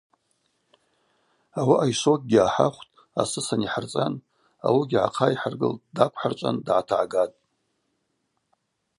Ауаъа йшвокьгьи гӏахӏахвтӏ, асыс анихӏырцӏан ауыгьи гӏахъайхӏыргылхтӏ, даквхӏырчӏван дгӏатагӏгатӏ.